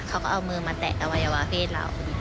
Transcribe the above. เขาก็เอามือมาแตะอวัยวะเพศเรา